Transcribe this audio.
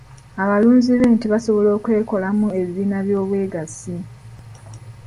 Abalunzi b'ente basobola okwekolamu ebibiina by'obwegassi.